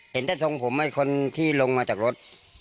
เห็นแต่ทรงผมไอ้คนที่ลงมาจากรถ